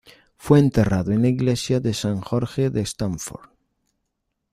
Fue enterrado en la iglesia de San Jorge de Stamford.